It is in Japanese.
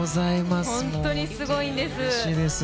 本当にすごいんです。